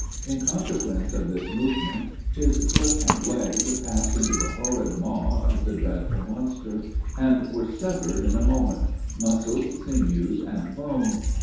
In consequence of this movement, his foot and leg passed into the horrid maw of the dreadful monster, and were severed in a moment, muscles, sinews, and bone.